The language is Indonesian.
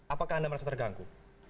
apakah anda merasa terganggu